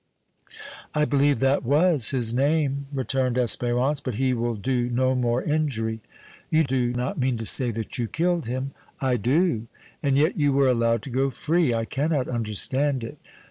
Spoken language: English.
"I believe that was his name," returned Espérance. "But he will do no more injury!" "You do not mean to say that you killed him?" "I do." "And yet you were allowed to go free! I cannot understand it!"